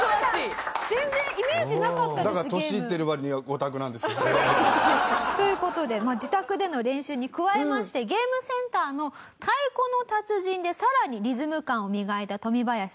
だから年いってる割にはオタクなんですよ。という事で自宅での練習に加えましてゲームセンターの『太鼓の達人』でさらにリズム感を磨いたトミバヤシさん。